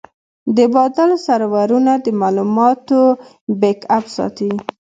د بادل سرورونه د معلوماتو بیک اپ ساتي.